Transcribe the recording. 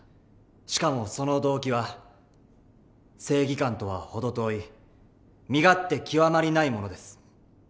しかもその動機は正義感とは程遠い身勝手極まりないものです。